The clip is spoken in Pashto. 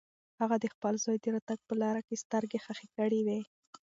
هغه د خپل زوی د راتګ په لاره کې سترګې خښې کړې وې.